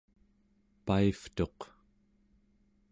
paivtuq